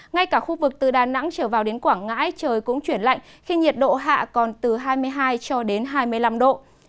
ngay cả khu vực từ đà nẵng trở vào đến quảng ngãi trời cũng chuyển lạnh khi nhiệt độ hạ còn từ hai mươi hai cho đến hai mươi năm độ